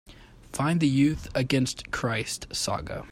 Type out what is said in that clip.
Find the Youth Against Christ saga